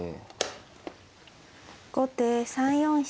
後手３四飛車。